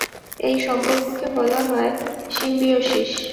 এই সম্পর্ককে বলা হয় সিম্বিওসিস।